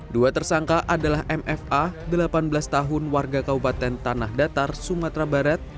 dua tersangka adalah mfa delapan belas tahun warga kabupaten tanah datar sumatera barat